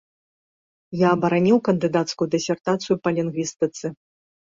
Я абараніў кандыдацкую дысертацыю па лінгвістыцы.